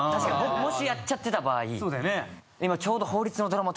もしやっちゃってた場合。